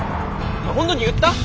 本当に言った？